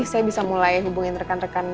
saya bisa mulai hubungin rekan rekan